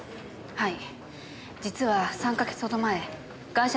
はい。